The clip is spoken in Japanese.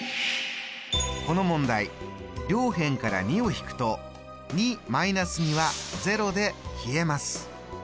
この問題両辺から２を引くと２ー２は０で消えます。